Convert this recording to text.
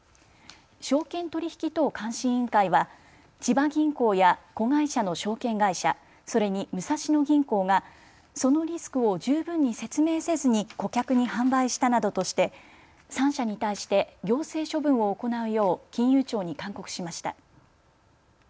証券取引等監視委員会は千葉銀行や子会社の証券会社、それに武蔵野銀行がそのリスクを十分に説明せずに顧客に販売したなどとして３社に対して行政処分を行うよう金融庁に勧告しました。